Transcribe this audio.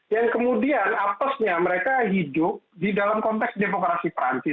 yang kemudian apesnya mereka hidup di dalam konteks demokrasi perancis